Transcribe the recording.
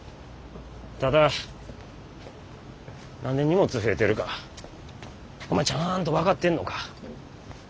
ただ何で荷物増えてるかお前ちゃんと分かってんのか？